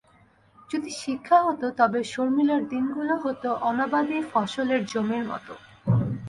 যদি শিক্ষা হত তবে শর্মিলার দিনগুলো হত অনাবাদি ফসলের জমির মতো।